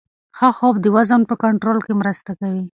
ښه خوب د وزن په کنټرول کې مرسته کوي.